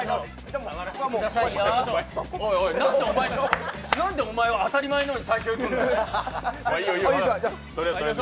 おいおい、なんでお前は当たり前のように最初に行くんだよ！